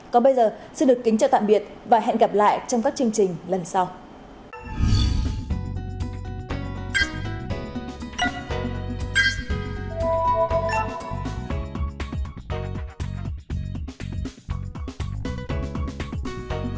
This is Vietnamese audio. còn bây giờ xin được kính chào tạm biệt và hẹn gặp lại trong các chương trình lần sau